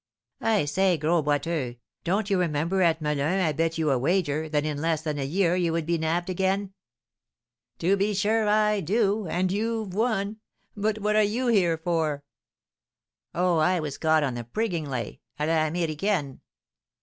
"I say, Gros Boiteux, don't you remember at Melun I bet you a wager that in less than a year you would be nabbed again?" "To be sure I do, and you've won. But what are you here for?" "Oh, I was caught on the prigging lay à la Americaine."